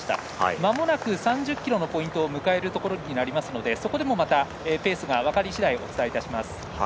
まもなく３０ｋｍのポイントを迎えるところになりますのでそこでもペースが分かりしだいお伝えいたします。